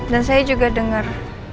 dan saya juga dengar